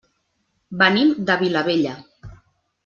Venim de Vilabella.